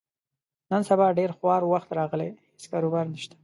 نن سبا ډېر خوار وخت راغلی، هېڅ کاروبار نشته.